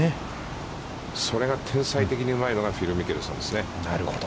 それが天才的にうまいのが、フィル・ミケルソンですね。